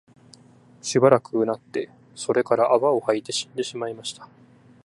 しばらく吠って、それから泡を吐いて死んでしまいました